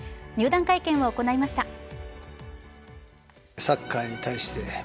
入団会見を行いました。